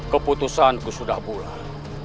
keputusan ku sudah bulat